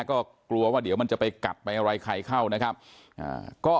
ก็กลัวว่าเดี๋ยวมันจะไปกับไปไล่ไข้เข้านะครับอ่า